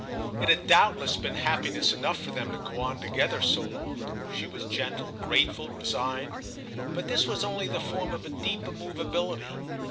It had doubtless been happiness enough for them to go on together so long. She was gentle, grateful, resigned; but this was only the form of a deep immoveability.